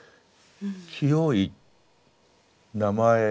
「清い」「名前」